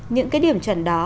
những cái điểm chuẩn đó